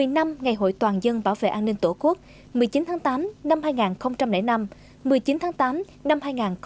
một mươi năm ngày hội toàn dân bảo vệ an ninh tổ quốc một mươi chín tháng tám năm hai nghìn năm một mươi chín tháng tám năm hai nghìn một mươi chín